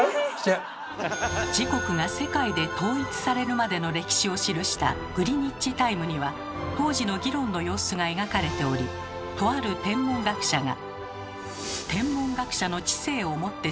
時刻が世界で統一されるまでの歴史を記した「グリニッジ・タイム」には当時の議論の様子が描かれておりとある天文学者が。